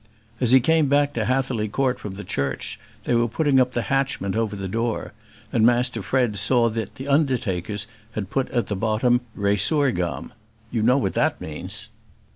As he came back to Hatherly Court from the church, they were putting up the hatchment over the door, and Master Fred saw that the undertakers had put at the bottom 'Resurgam.' You know what that means?"